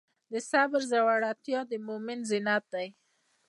د صبر زړورتیا د مؤمن زینت دی.